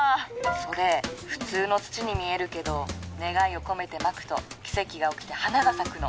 それ普通の土に見えるけど願いを込めてまくと奇跡が起きて花が咲くの。